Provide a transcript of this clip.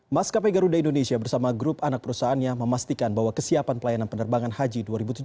maskapai garuda indonesia bersama grup anak perusahaannya memastikan bahwa kesiapan pelayanan penerbangan haji dua ribu tujuh belas